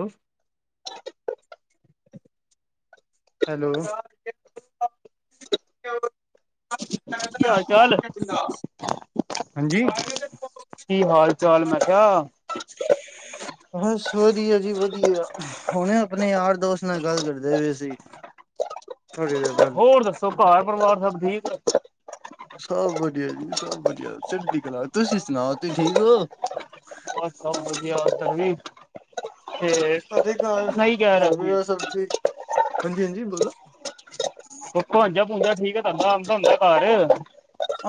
ਹੋ ਹੈਲੋ, ਕੀ ਹਾਲ ਚਾਲ ਹਾਂਜੀ। ਕੀ ਹਾਲ ਚਾਲ ਮੈ ਕਾ। [unintelligible] ਬਸ ਵਦੀਆ ਜੀ ਵਦੀਆ, ਹੁਨ ਆਪਨੇ ਯਾਰ ਦੋਸਤ ਨਾਲ ਗੱਲ ਕਰਦੇ ਹੋਏ ਸੀ। ਥੋੜੀ ਦੇਰ ਪਹਿਲੇ ਹੋਰ ਦੱਸੋ ਭਾਰ ਪਰਵਾਰ ਸਭ ਠੀਕ। ਸਬ ਵਦੀਆ ਜੀ ਸਬ ਵਦੀਆ ਚੜਦੀ ਕਲਾ ਤੁਸੀਂ ਸੁਨਾਓ ਤੁਸੀਂ ਠੀਕ ਓਂ। ਬਸ ਸਬ ਵਦੀਆ ਏਥੇ ਵੀ। ਤੇ ਤੁਆਡੇ ਘਰ ਨਹੀਂ ਕਹਿ ਰਿਹਾ ਘਰ ਸੀ ਵਰਾ ਸਬਜ਼ੀ, ਹਾਂਜੀ-ਹਾਂਜੀ ਬੋਲੋ ਹੋਰ ਭਾਂਨਜਾ ਭੁੰਜਾ ਠੀਕ ਐ, ਭਾਂਨਜਾ ਔਂਦਾ ਹੁੰਦੈ ਘਰ। [inaudible]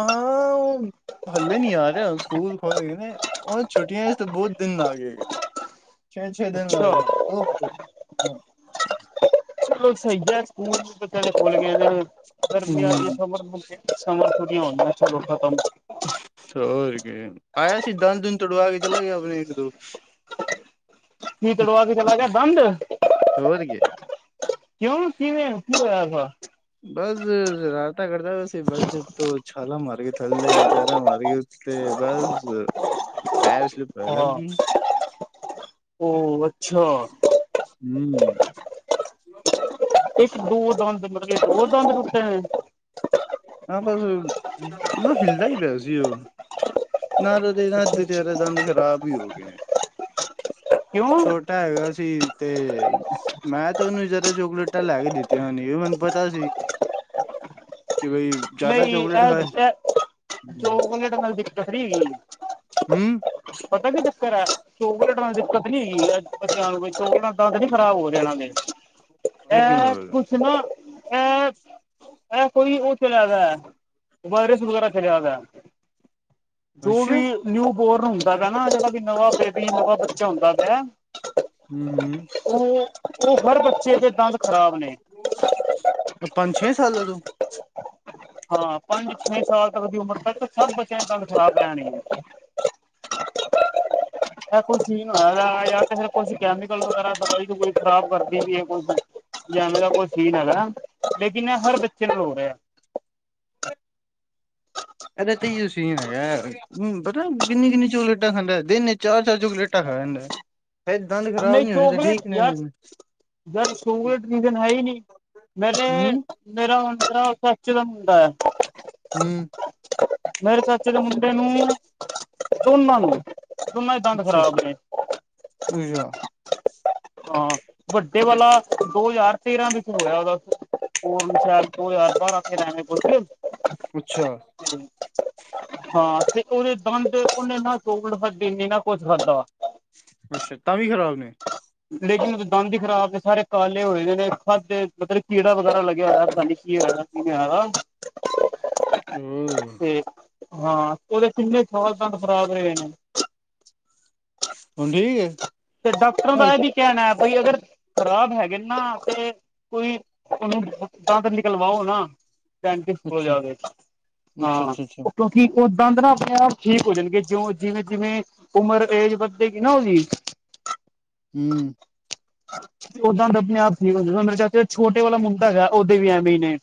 ਹੱਲੇ ਨੀ ਆ ਰਏ ਸਕੂਲ ਖੁੱਲ ਗਏ ਨੇ, ਓ ਛੁਟੀਆਂ ਚ ਤਾਂ ਬਹੁ ਦਿਨ ਲਾਗੇ। [inaudible] ਛੇ-ਛੇ ਦਿਨ ਅੱਛਾ ਲਾਗੇ ਦੋ ਹਫਤੇ ਹਾਂ। ਸਈ ਐਹ ਸਕੂਲ ਪਤਾ ਨੀ ਖੁੱਲ ਗਏ ਨੇ ਗਰਮੀਆਂ ਦੀ ਸਮਰ ਹੁਨ ਤੇ ਸਮਰ ਖੁਦ ਈ ਹੋਨਗੀਆਂ ਚਲੋ ਖਤਮ। ਹੋਰ ਕੀ ਆਏਆ ਸੀ ਦੰਦ ਦੁੰਦ ਤੁੜਵਾ ਕੇ ਚਲਾ ਗੇਆ ਅਗਲੇ ਦਿਨ [unintelligible] ਨਈ ਤਾ ਬੋਲਤੀ ਤਾ ਮੈਂ ਕਿਆ ਬੰਦ ਹੋਰ ਕੀ ਕਿਓਂ ਕਿਵੇਂ ਓਂ ਕੀ ਹੋਏਆ ਦਾ। ਬੱਸ ਜਗਰਾਤਾ ਕਰਦਾ ਪਿਆ ਸੀ ਬਸ ਬੜਦੀ ਤੋਂ ਛਾਲਾਂ ਮਾਰਕੇ ਥੱਲੇ ਛਾਲਾਂ ਮਾਰਕੇ ਉ ਤੇ ਬਸ ਪੈਰ ਸਲਿਪ ਪੈ ਹਾਂ ਲਾਗੀ। ਉਹ ਅੱਛਾ ਹੂੰ। ਇੱਕ ਦੋ ਦੰਦ ਮਤਲਬ ਕੇ ਇੱਕ ਦੋ ਦੰਦ ਟੁੱਟੇ ਨੇ। ਆ ਬਸ ਨਾ ਹਿਲਦਾ ਈ ਪਿਆ ਸੀ ਓ ਨਾ ਤੇ ਅੱਦੇ ਅੱਛਾ ਤੋਂ ਜ਼ਾਦਾ ਅੱਛਾ ਦੰਦ ਖ਼ਰਾਬ ਈ ਹੋ ਗਏ ਨੇ। ਕਿਓਂ ਛੋਟਾ ਹੈਗਾ ਸੀ ਤੇ ਮੈਂ ਤਾਂ ਉਹਨੂੰ ਜ਼ਿਆਦਾ ਚੋਕਲੇਟਾਂ ਲੈ ਕੇ ਦਿੱਤੀਆਂ ਹੋਣੀ ਮੈਨੂੰ ਪਤਾ ਸੀ। ਕਿ ਬਈ ਜ਼ਿਆਦਾ ਨਈ ਚੋਕਲੇਟ ਖਾਏ ਇਹ-ਇਹ ਦੋ ਹੂੰ ਮਿੰਟ ਨਾਲ ਦਿੱਕਤ ਨਹੀਂ ਹੈਗੀ ਮੈਨੂੰ। ਹੂੰ ਪਤਾ ਕੀ ਚੱਕਰ ਹੈ, ਚੋਕਲੇਟ ਨਾਲ ਦੀ ਦਿੱਕਤ ਨੀ ਹੈਗੀ ਬੱਚਿਆਂ ਨੂੰ [unintelligible] ਖ਼ਰਾਬ ਹੋ ਜਾਣਾ ਵੇ ਕਿਵੇਂ ਇਹ ਹੋ ਕੁ ਰਿਹਾ ਕੁਛ ਨਾ ਇਹ-ਇਹ ਕੋਈ ਚਲਿਆ ਦੈ ਵਾਇਰਸ ਵਗੈਰਾ ਚੱਲਿਆ ਦੈ ਜੋ ਅੱਛਾ ਵੀ ਨਿਊ ਬੋਰਨ ਹੁੰਦਾ ਪਿਆ ਨਾ ਜਿਹੜਾ ਵੀ ਨਵਾਂ ਬੇਬੀ ਨਵਾਂ ਬੱਚਾ ਹੁੰਦਾ ਪਿਆ। ਹੂੰ-ਹੂੰ ਉਹ ਹੋ ਉਹ ਹਰ ਬੱਚੇ ਦੇ ਦੰਦ ਖ਼ਰਾਬ ਨੇ। ਪੰਜ-ਛੇ ਸਾਲਾਂ ਤੋਂ। ਹਾਂ ਪੰਜ-ਛੇ ਸਾਲ ਤੱਕ ਦੀ ਉਮਰ ਤ ਸਭ ਬੱਚਿਆਂ ਸਾਲ ਖਰਾਬ ਰਹਿਣਗੇ। ਇਹ ਕੁਈ ਸੀਨ ਹੋਣਾ ਯਾ ਤੇ ਫਿਰ ਕੁਛ ਕੈਮੀਕਲ ਵਗੈਰਾ ਦਵਾਈ-ਦੁਬਈ ਖਰਾਬ ਕਰਦੀ ਪਈ ਏ ਕੁਛ। ਯਾ ਐਵੇਂ ਦਾ ਉਹ ਸੀਨ ਹੈਗਾ ਲੇਕਿਨ ਇਹ ਹਰ ਬੱਚੇ ਨਾਲ ਹੋ ਰਿਹਾ। ਇਹਦਾ ਤੇ ਇਹੀਉ ਸੀਨ ਹੈਗਾ। ਹਮ ਪਤਾ ਕਿੰਨੀ-ਕਿੰਨੀ ਚੁਕਲੇਟਾ ਖਾਂਦਾ ਦਿਨ ਚ ਚਾਰ-ਚਾਰ ਚੋਕਲੇਟਾ ਖਾ ਜਾਂਦਾ। ਫੇਰ ਦੰਦ ਖ਼ਰਾਬ ਨਈ ਨੀ ਹੋਣੇ ਤੇ ਚੋਕਲੇਟ ਠੀਕ ਨੇ ਯਾਰ, ਹੂੰ ਯਾਰ ਚੋਕਲੇਟ ਰੀਜ਼ਨ ਹੈ ਹੀ ਨਈ। ਮੈਂ ਤੇ ਮੇਰਾ ਉਸਰਾਂ ਚਾਚੇ ਦਾ ਮੁੰਡਾ ਹੈ। ਹੂੰ ਮੇਰੇ ਚਾਚੇ ਦੇ ਮੁੰਡੇ ਨੂੰ ਦੋਨਾਂ ਨੂੰ ਦੋਨਾ ਦੇ ਦੰਦ ਅੱਛਾ ਖਰਾਬ ਨੇ। [unintelligible] ਹਾਂ, ਵੱਡੇ ਵਾਲਾ ਦੋ ਹਜ਼ਾਰ ਤੇਰਾ ਵਿੱਚ ਹੋਆ ਦਾ। ਹੋਰ ਸ਼ਾਇਦ ਦੋ ਹਜ਼ਾਰ ਬਾਰਾਂ ਤੇਰਾ ਐਵੇਂ ਕੁਝ। ਅੱਛਾ [inaudible] ਹਾਂ ਤੇ ਉਹਦੇ ਦੰਦ ਉਹਨੇ ਨਾ ਚੋਕਲੇਟ ਵਰਗੇ ਨੇ ਨਾ ਕੁਝ ਖਾਦਾ। ਅੱਛਾ ਤਾਂ ਵੀ ਖ਼ਰਾਬ ਨੇ। [inaudible] ਲੇਕਿਨ ਉਦੇ ਦੰਦ ਹੀ ਖਰਾਬ ਸਾਰੇ ਕਾਲੇ ਹੋਏ ਨੇ ਖਾਧੇ ਮਤਲਬ ਕੀੜਾ ਵਗੈਰਾ ਲੱਗਿਆ ਹੋਇਆ ਪਤਾ ਨੀ ਕੀ ਹੋਇਆ ਦਾ। [unintelligible] ਓ ਤੇ ਹਾਂ ਉਦੇ ਕਿੰਨੇ ਸਾਲ ਦੰਦ ਖਰਾਬ ਰਹੇ ਨੇ। ਹੁਣ ਠੀਕ ਐ? ਤੇ ਡਾਕਟਰਾਂ ਦਾ ਇਹ ਵੀ ਕਹਿਣਾ ਹੈ ਬਾਈ ਅਗਰ ਖਰਾਬ ਹੈਗੇ ਨਾ ਤੇ ਕੋਈ ਉਹਨੂੰ ਦੰਦ ਨਿਕਲਵਾਓ ਨਾ। ਡੇਂਟੀਸ ਕੋਲ ਅੱਛਾ ਜਾਕੇ ਅੱਛਾ ਹਾਂ। ਅੱਛਾ ਅੱਛਾ ਕਿ ਉਹ ਦੰਦ ਨਾ ਆਪਣੇ ਆਪ ਠੀਕ ਹੋ ਜਾਣਗੇ ਜਿਓ ਜਿਵੇਂ-ਜਿਵੇਂ ਉਮਰ ਏਜ ਵੱਧੇਗੀ ਨਾ ਉਹਦੀ। ਹੂੰ ਉਹ ਦੰਦ ਆਪਣੇ ਆਪ ਠੀਕ ਹੋਜੂਗਾ ਮੇਰੇ ਚਾਚੇ ਛੋਟੇ ਵਾਲਾ ਮੁੰਡਾ ਹੈਗਾ ਓਦੇ ਵੀ ਐਵੇਂ ਹੀ ਨੇ।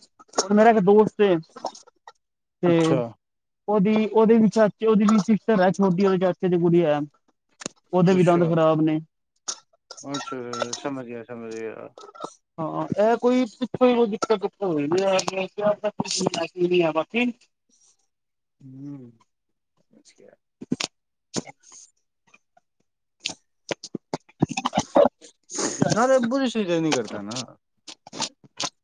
ਉਹ ਤੇ ਇੱਕ ਦੋਸਤ ਏ ਤੇ ਅੱਛਾ ਉਹਦੀ ਉਹਦੇ ਵੀ ਚਾਚੇ ਉਹਦੀ ਵੀ ਸਿਸਟਰ ਹੈ ਛੋਟੀ ਉਹਦੇ ਚਾਚੇ ਦੀ ਕੁੜੀ ਹੈ। ਉਦੇ ਵੀ ਦੰਦ ਅੱਛਾ ਖ਼ਰਾਬ ਨੇ। ਅੱਛਾ ਸਮਝ ਗਿਆ, ਸਮਝ ਗਿਆ। [inaudible] ਹਾਂ, ਏਹ ਕੋਈ ਪਿੱਛੋਂ ਕੋਈ ਦਿੱਕਤ ਦੁਕਤ ਹੋਈ। [inaudible] ਹਮ। [inaudible] ਨਾਲੇ ਬੁਰਸ਼ ਵਗੈਰਾ ਵੀ ਨੀ ਕਰਦਾ ਨ।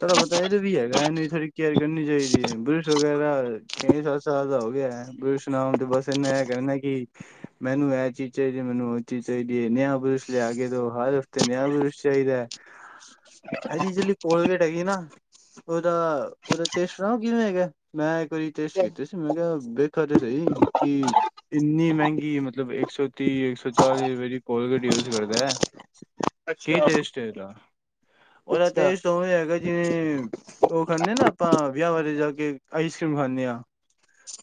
ਥੋੜਾ ਬਤਾ ਏਦਾ ਵੀ ਹੈਗੇ ਇਨੀ ਸਾਰੀ ਕੇਅਰ ਕਰਨੀ ਚਾਈਦੀ ਏ, ਬੁਰਸ਼ ਵਗੈਰਾ ਛੇ ਸ। ਸਾਲ ਦਾ ਹੋ ਗਿਆ ਬੁਰਸ਼ ਨਾਮ ਤੇ ਬਸ ਇਹਨੇ ਇਹ ਕਹਿਣਾ ਕਿ। ਮੈਨੂੰ ਇਹ ਚੀਜ਼ ਚਾਹੀਦੀ ਹੈ, ਮੈਨੂੰ ਉਹ ਚੀਜ਼ ਚਾਹੀਦੀ ਹੈ, ਨਵਾਂ ਬੁਰਸ਼ ਲਿਆ ਕੇ ਦਿਓ। ਹਰ ਹਫ਼ਤੇ ਨਵਾਂ ਬੁਰਸ਼ ਚਾਹੀਦਾ ਹੈ। ਇਹਦੀ ਜਿਹੜੀ ਕੋਲਗੇਟ ਹੈਗੀ ਹੈ ਨਾ, ਉਹਦਾ ਟੇਸਟ ਦੱਸਾ ਕਿਵੇਂ ਦਾ ਹੈ। ਮੈਂ ਇੱਕ ਵਾਰੀ ਟੈਸਟ ਕੀਤੇ ਸੀ, ਮੈਂ ਕਿਹਾ ਵੇਖਾਂ ਤਾਂ ਸਹੀ ਕੀ ਹੈ। ਇੰਨੀ ਮਹਿੰਗੀ ਹੈ, ਮਤਲਬ ਇੱਕ ਸੌ ਤੀਹ, ਇੱਕ ਸੌ ਚਾਲੀ ਰੁਪਏ ਦੀ ਕੋਲਗੇਟ ਯੁਜ਼ ਕਰਦਾ ਹੈ। ਕੀ ਅੱਛਾ ਟੈਸਟ ਹੈ ਇਹਦਾ? ਉਹਦਾ ਅੱਛਾ ਟੈਸਟ ਉਵੇਂ ਹੀ ਹੈਗਾ। ਜਿਵੇਂ ਉਹ ਖਾਂਦੇ ਹਨ, ਨਾ ਆਪਾਂ ਵਿਆਹ ਵਿੱਚ ਜਾ ਕੇ ਆਈਸ ਕਰੀਮ ਖਾਂਦੇ ਹਾਂ।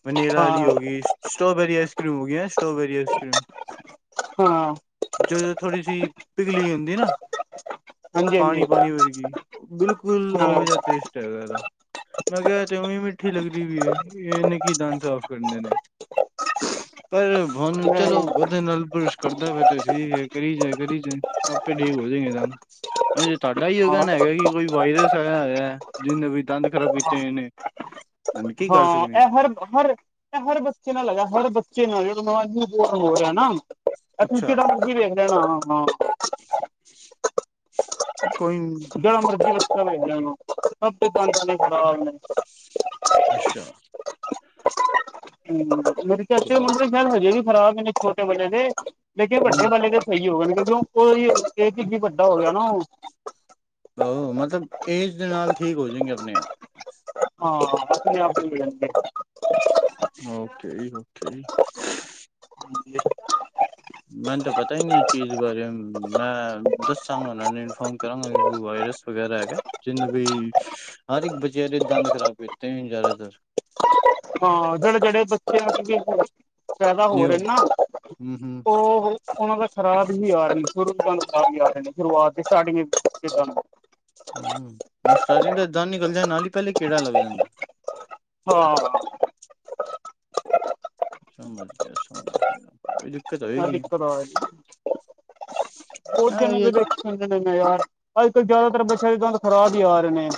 ਵੈਨਿੱਲਾ ਵਾਲੀ ਹਾਂ ਹੋ ਗਈ ਸਟ੍ਰਾਬੇਰੀ ਆਈਸ ਕਰੀਮ ਹੋ ਗਈ ਹੈ, ਸਟ੍ਰਾਬੇਰੀ ਆਈਸ ਕਰੀਮ ਹੋ ਗਈ ਹੈ। ਹਾਂ। ਜਦੋਂ ਥੋੜੀ ਜਿਹੀ ਪਿਘਲੀ ਹੋਈ ਹੁੰਦੀ ਨਾ। ਹਾਂਜੀ ਹਾਂਜੀ ਪਾਣੀ ਪਾਣੀ ਵਰਗੀ ਬਿਲਕੁਲ ਹਾਂ ਉਵੇਂ ਦਾ ਟੇਸਟ ਹੈਗਾ ਇਹਦਾ। ਮੈਂ ਕਿਹਾ ਜਮਾਂ ਹੀ ਮਿੱਠੀ ਲੱਗਦੀ ਪਈ ਹੈ, ਇਹਨੇ ਕੀ ਦੰਦ ਸਾਫ਼ ਕਰਨੇ ਨੇ। ਅ। ਪਰ ਹੁਣ ਚਲੋ, ਉਹਦੇ ਨਾਲ ਬੁਰਸ਼ ਕਰਦਾ ਮੈਂ ਤਾਂ ਠੀਕ ਹੈ, ਕਰੀ ਜਾਏ, ਕਰੀ ਜਾਏ। ਆਪੇ ਠੀਕ ਹੋ ਜੇਂਗੇ ਦਾਂਦ, ਤੁਆਡਾ ਈ [inaudible] ਹੈਗਾ ਕਿ ਕੋਈ ਵਾਇਰਸ ਹੇਗੇ। ਜੀ ਨਵੇਂ ਦਾਂਦ ਖ਼ਰਾਬ ਕੀਤੇ ਹੋਏ ਨੇ, ਤੇ ਹੁਨ ਕੀ ਕਰ ਹਾਂ ਸਕਦੀ ਆ। ਇਹ ਹਰ ਹਰ ਬੱਚੇ ਨਾਲ ਲਗੇ ਹਰ ਬੱਚੇ ਨਾਲ ਜੇ ਬੋਰ ਹੋ ਰਿਏ ਨਾ। [inaudible] ਅੱਛਾ ਕੋਈ ਨੀ। ਜੇੜਾ ਮਰਜ਼ੀ ਬੱਚਾ ਵੇਖ ਲੇਨਾ ਸਭ ਦੇ ਦਾਂਦ ਏਨੇ ਖ਼ਰਾਬ ਨੇ। ਅੱਛਾ। ਹਮ, ਮੇਰੇ ਚਾਚੇ ਦੇ ਵਾਹ ਮੁੰਡੇ ਵਾਲ ਹਜੇ ਵੀ ਖਰਾਬ ਨੇ ਛੋਟੇ ਵਾਲੇ ਦੇ ਲੇਕਿਨ ਵੱਡੇ ਹੂੰ ਵਾਲੇ ਦੇ। ਸਹੀ ਹੋ ਗ ਕਿਉਂਕਿ ਕੋ ਇਹੀ ਵੱਡਾ ਹੋ ਗਿਆ ਨਾ ਓਹ। ਓਹ ਮਤਲਬ ਏਜ ਦੇ ਨਾਲ ਠੀਕ ਹੋ ਜਾਏਗੇ ਆਪਣੇ ਆਪ। ਹਾਂ। ਓਕੇ ਜੀ ਓਕੇ ਜੀ। ਹਮ। [inaudible] ਮੈਨੂੰ ਤਾਂ ਪਤਾ ਹੀ ਨੀ ਇਹ ਚੀਜ਼ ਬਾਰੇ, ਮੈਂ ਦੱਸ ਉਹਨਾਂ ਇਨਫੋਰਮ ਕਰਾਂਗਾ ਵਾਇਰਸ। ਵਗੈਰਾ ਹੈਗਾ ਜਿੰਨੇ ਵੀ ਹਰ ਇੱਕ ਬਚ ਦੇ ਦੰਦ ਖ਼ਰਾਬ ਕੀਤੇ ਜ਼ਿਆਦਾਤਰ। ਹਾਂ ਜਿਹੜੇ ਜਿਹੜੇ ਬੱਚੇ ਪੈਦਾ ਹੋ ਨਿਊ ਰਹੇ ਨਾ, ਹੂੰ ਹੂੰ ਉਹ। ਉਹਨਾਂ ਤਾਂ ਖ਼ਰਾਬ ਹੀ ਆ ਰਹੇ ਨੇ, ਸ਼ੁਰੂ ਖਰਾਬ ਹੀ ਆ ਰਹੇ ਨੇ ਸ਼ੁਰੂਆਤ ਸਟਾਰਟਿੰਗ ਕਿੱਦਾਂ। ਹਮ ਮੈਂ ਸਟਾਰਟਿੰਗ ਦਾ ਦੰਦ ਨਿਕਲਦੇਿਆਂ ਨਾਲ ਹੀ ਪਹਿਲੇ ਕਿਹੜਾ ਲੱਗ ਜਾਂਦਾ। ਹਾਂ। ਸਮਝ ਗਿਆ ਸਮਝ ਗਿਆ ਕੋਈ ਦਿੱਕਤ ਆਵੇਗੀ। ਦਿੱਕਤ ਉਹ ਦਿ ਦੇ ਵਿੱਚ ਸੁ ਨੇ ਮ ਯਾਰ ਅੱਜ ਕੱਲ ਜ਼ਿਆਦਾਤਰ ਬੱਚਿਆਂ ਦੇ ਦਦ ਖ਼ਰਾਬ ਹੀ ਆ ਰਹੇ ਨੇ।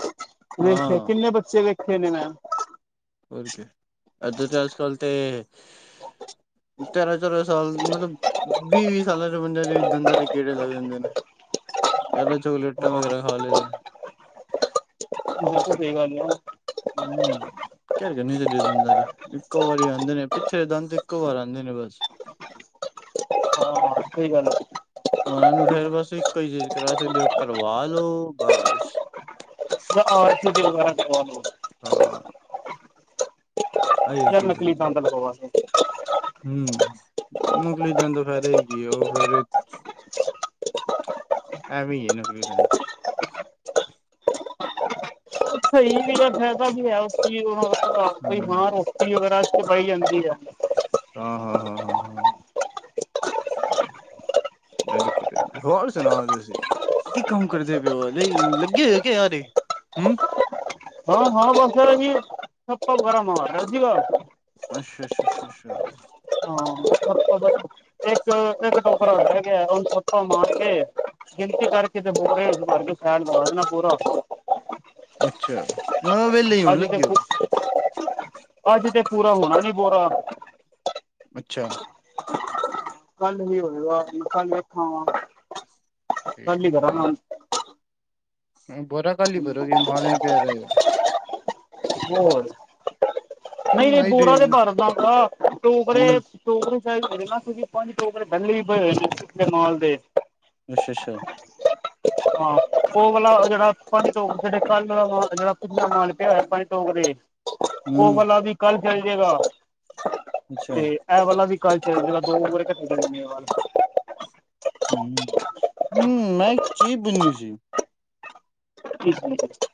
ਹਾਂ ਕਿੰਨੇ ਬੱਚੇ ਵੇਖੇ ਨੇ ਮੈ। ਹੋਰ ਕ ਏਥੇ ਤੇ ਅਜ ਕਲ ਤੇ। ਤੇਰਾਂ ਤੇਰਾਂ ਸਾਲ ਮਤਲਬ। ਵੀਹ -ਵੀਹ ਸਾਲਾਂ ਦੇ ਬੰਦਿਆਂ ਦੇ ਦੰਦਾਂ ਦੇ, ਕੀੜੇ ਲੱਗ ਜਾਂਦੇ ਨੇ। ਜ਼ਿਆਦਾ, ਚੋਕਲੇਟਾਂ ਵਗੈਰਾ ਖਾ ਲਗੇ ਸਹੀ ਗੱਲ ਆ। ੱ [inaudible] [inaudible] ਕਹਿਦੇ ਨੇ ਜੇ ਦੇ ਦਿਦਾਂ ਜੀ, ਇੱਕੋ ਵਾਰੀ ਆਉਂਦੇ ਨੇ, ਪਿੱਛੇ ਦੰਦ ਇੱਕੋ ਵਾਰ, ਆਉਂਦੇ ਨੇ ਬਸ। ਹਾਂ ਸਹੀ ਗੱਲ ਹੈ। ਉਹਨਾਂ ਨੂੰ ਫੇਰ ਬਸ ਇੱਕੋ ਹੀ, ਚੀਜ਼ ਕਰਾ ਸਕਦੇ ਹੋ, ਭਰਵਾ ਲੋ ਬਸ ਹਾਂ। [unintelligible] [inaudible] [inaudible] [inaudible] ਹਾਂ। ਆਈਓ ਜਾ ਨਕਲੀ ਦੰਦ, ਲਗਵਾ ਸਕਦੇ ਹਮ, ਨਕਲੀ ਦੰਦ ਦਾ ਫਾਇਦਾ ਇ ਕਿ ਹੈ, ਉਹ ਫੇਰ ਐਵੀ ਏ ਨਕਲੀ ਦੰਦ ਸਹੀ ਹੈ ਫਾਇਦਾ ਕੀ ਹੈ, ਉਸ ਚੀਜ਼ ਕੋਈ ਬਿਮਾਰ ਹੂੰ ਹੋ ਜੀ ਗਰਾਸ਼ਤ ਪਾਈ ਜਾਂਦੀ ਹੈ [inaudible] [unintelligible] ਹਾਂ- ਹਾਂ ਹਾਂ। ਵੈਰੀ ਗੁਡ, ਹੋਰ ਸੁਣਾਓ ਤੁਸੀਂ? ਕੀ ਕੰਮ ਕਰਦੇ ਪਏਓ, ਅ ਲੱਗੇ ਹੋਏ, ਊ ਕੇ ਆਰੇ? ਹਾਂ -ਹਾਂ ਬੱਸ ਉਹੀ ਠਪਾ ਵਗੇਰਾ ਮਾਰ ਦਿਆ ਅੱਛਾ -ਅੱਛਾ -ਅੱਛਾ -ਅੱਛਾ। ਹਾਂ ਇੱਕ, ਇੱਕ ਟੋਕਰਾ ਰਹ ਗਿਆ, ਉਹ ਨੂੰ ਠਪਾ ਮਾਰ ਦੇ ਗਿਣਤੀ ਕਰਕੇ ਤੇ, ਬੋਰੇ ਚ ਭਰ ਕੇ, ਸਾਈਡ ਚ ਲਗਾ ਦੇਣਾ ਬੋਰਾ। ਅੱਛਾ। ਹਾਂ ਵਿਹਲੇ ਹੀ ਹੋਣ ਅੱਜ ਤੇ, ਲੱਗੇ ਹੋ ਅੱਜ ਤੇ ਪੂਰਾ ਹੋਨਾ ਨੀ ਬੋਰਾ ਅੱਛਾ। ਕੱਲ ਹੀ ਹੋਏਗਾ, ਕੱਲ ਵੇਖਾਂਗਾ, ਠੀਕ ਕੱਲ ਹੀ ਕਰਾਂਗਾ ਹੁਣ ਬੁਰਾ ਕਲ ਹੀ ਭਰੋਗੇ, ਮਾਲ ਇੰਜ ਹੀ ਪਿਆ ਰਹੇਗ ਹੋਰ, ਨਹੀਂ ਚਲੋ -ਨਹੀਂ ਆਈ ਬੋਹਰਾਾਂ ਦੇ ਠੀਕ ਭਰ ਦਾ ਗਾ ਟੋਕਰੇ ਹੂੰ ਟੋਕਰੇ ਚ ਪੇਕ ਕਰੇ, ਕਿਉਂ ਕਿ ਪੰਜ ਟੋਕਰੇ ਪਹਲੇ ਹੀ ਪਏ ਹੋਏ ਮਾਲ ਦੇ ਅੱਛਾ ਅੱਛਾ ਹਾਂ ਪੋਗਲਾ ਜਿਹੜਾ ਪੰਜ ਟੋਕਰੇ ਜੇ ਕੱਲ ਜਿਹੜਾ ਪਿਆ ਮਾਲ ਹੋਇਆ ਈ ਪੰਜ ਟੋਕਰੇ [unintelligible] ਉਹ ਹੂੰ ਵਾਲਾ ਵੀ, ਕੱਲ ਚੱਲਜੇਗਾ ਅੱਛਾ ਤੇ ਇਹ ਵਾਲਾ ਵੀ ਕਲ ਚਲੇ ਜਾਏਗਾ, ਦੋ ਬੋਰੇ ਕੱਠੇ ਚਲੇ ਜਾਂ ਗੇ ਵੱਲ ਹਮ, ਮੈ ਏਕ ਚੀਜ ਪੁੱਛਣੀ ਸੀ? ਹ ਹਾਂਜੀ [inaudible]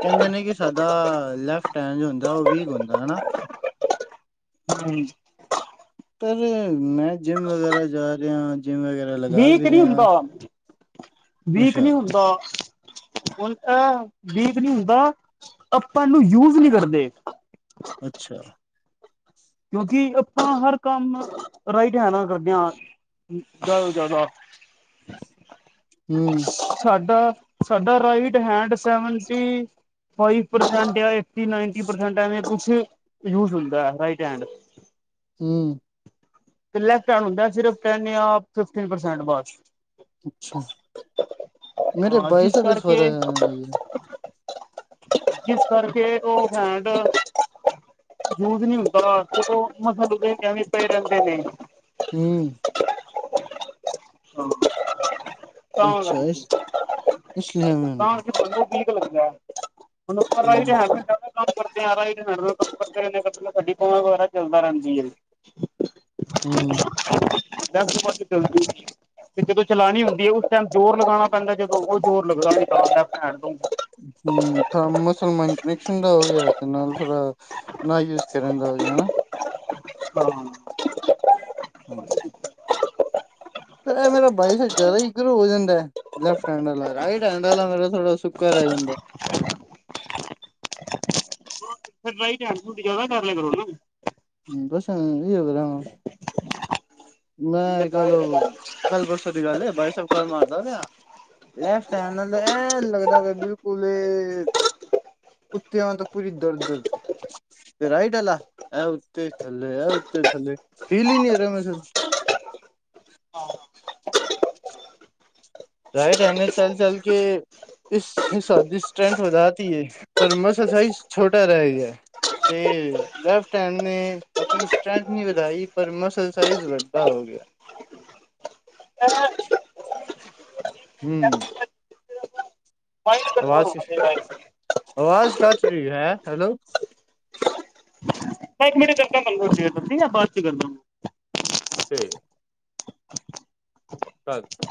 ਕਹਿੰਦੇ ਨੇ ਕਿ, ਸਾਡਾ ਲੈਫਟ ਹੈਂਡ ਹੁੰਦਾ ਉਹ, ਵੀਕ ਹੁੰਦਾ ਹਨਾ ਹਾਂਜੀ। ਪਰ ਮੈਂ, ਜਿੰਮ ਵਗੈਰਾ ਜਾ ਰਿਆ, ਜਿੰਮ ਵਗੈਰਾ ਲਗਾ ਵੀ ਵੀਕ ਨਹੀਂ ਰਿਆ ਹੁੰਦਾ ਵੀਕ ਨੀ ਹੁੰਦਾ ਹੁਣ ਤਾਂ ਵੀਕ ਨਈ ਹੁੰਦਾ, ਆਪਾਂ ਇਹਨੂੰ ਯੂਜ ਨਈ ਕਰਦੇ ਅੱਛਾ ਕਿਉਂਕਿ, ਆਪਾਂ ਹਰ ਕੰਮ ਰਾਈਟ ਹੈ ਨਾ ਕਰਦਿਆਂ, ਜਿਆਦਾ -ਜਿਆਦਾ ਹੂੰ ਸਾਡਾ -ਸਾਡਾ right hand, seventy five percent ਪਿਆ ਏ ਸ ਹੁੰਦਾ ਰ [unintelligible] ਹੂੰ ਲੈਫ ਹੁੰਦਾਨਫਸਟ [unintelligible] ਅੱਛਾ ਮੇਰੇ ਹਾਂ ਬਾਈ ਜਿਸ ਸਾਬ ਸਰ ਕਰਕੇ [unintelligible] ਜਿਸ ਕਰਕੇ ਉਹ ਹੈਂਡ ਯੂਜ ਨੀ ਹੁੰਦੀ ਮਸ ਲ ਪੈਰਦੇ ਨੇ [inaudible] ਹੂੰ ਹਮ [unintelligible] ਕ ਕਰ ਅੱਛਾ ਇਸ ਇਸ ਲਈ ਐਵੇਂ ਹੁੰਦਾ ਕ [unintelligible] ੀਕ ਲੱਗਿਆ ਹੁਣ ਉੱਪਰ ਦਾ ਹੀ ਤੇ ਹੂੰ ਹੈਗਾ [unintelligible] [unintelligible] ਕੰ ਕਰਦੇ ਆ ਗੱਡੀਾਂ ਵਗੈਰਾ ਚੱਲਦਾ ਰਹਿੰਦੀ ਹੈ [inaudible] ਹੂੰ [unintelligible] ਤੇ ਜਦੋਂ ਚਲਾਉਣੀ ਹੁੰਦੀ ਹੈ ਉਸ ਟਾਈਮ ਜੋੋਰ ਲਗਾਉਣਾ ਪੈਂਦਾ ਜਦੋਂ ਉਹ ਜ਼ੋਰ ਲੱਗਦਾ ਭੈਣ ਤੋਂ ਹੂੰ ਮੁਸਲਮਾਨ ਕਨੈਕਸ਼ਨ ਦਾ ਹੋ ਗਿਆ ਤੇ ਨਾਲ ਥੋੜਾ ਨਾ ਯੂਜ ਕਰਨ ਦਾ ਹੋ ਗਿਆ ਹਨਾ ਹਮ [unintelligible] ਹ [inaudible] [inaudible] ਇਹ ਮੇਰਾ ਬਾਈ ਜਰਾ ਹੀ ਰ ਹੋ ਜਾਂਦਾ ਲੈਫਟ ਹੈਂਡ ਵਾਲਾ ਰਾਈਟ ਹੈਂਡ ਵਾਲਾ ਮੇਰਾ ਥੋੜ੍ਹਾ ਸੁੱਕਰ ਰਹਿ ਜਾਂਦਾ। ਫਿਰ ਰਿਘਟ ਹੰਡ ਤੁ ਜ਼ਿਆਦਾ ਕਰ ਲਿਆ ਕਰੋ ਨਾ ਦੱਸ ਇਹ ਹੋ ਕਰ ਮੈਂ ਕੱਲ ਕੱਲ ਬਸ ਛ ਗੱਲ ਬਾਈ ਸ ਕਰ ਮਾਰਾਰੀਦਾ [unintelligible] ਲੈਫਟ ਹੈਡ ਨਾਲ ਇਹ ਲੱਗਦਾ ਪ ਬਿਲਕੁਲ ਕੁੱਥ ਤਾਂ ਪੂਰੀ ਦਰ ਦਰ ਰਾਈਟ ਅਲਾ ਥੱਲੇ ਆ ਥੱਲੇ ਫਲੀ ਹੀ ਨਹੀਂ ਰ ਮੈਂ [inaudible] [inaudible] [inaudible] ਰਾਈਟ ਐਨੇ ਚਲ ਚਲ ਕੇ ਇਸ ਦੀ ਸਟ੍ਰੈਂਥ ਵਧਾਤੀ ਹੈ ਪਰ ਮਸਸਾਈਜ਼ ਛੋਟਾ ਰਹਿ ਗਿਆ ਤੇ ਲੈਫਟ ਹੈਂਡ ਨੇ ਆਪਣੀ ਸਟਰੈਂਥ ਨੀਂ ਵਧਾਈ ਪਰ ਮਸਲ ਸਾਈਜ਼ ਵੱਡਾ ਹੋ ਗਿਆ ਹਹ [unintelligible] [unintelligible] ਹੂੰ ਮਾਈਂਡ ਕੰਟਰੋਲ ਆਵਾਜ਼ ਹੋਣਾ ਚਾਹੀਦਾ ਹੈ ਆਵਾਜ਼ ਕਟ ਰਹੀ ਹੈ ਹੈਲੋ ਮੈਂ ਇੱਕ ਮਿੰਟ ਚ ਕਰਦਾ ਬ ਬਾਦ ਚ ਕਰਦਾ ੀ [unintelligible] [unintelligible] ਸ [unintelligible] [unintelligible]